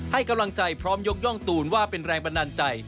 ให้กำลังใจพร้อมยกย่องตูนว่าเป็นแรงบันดาลใจ